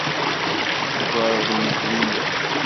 Tugareḍ Mhenni.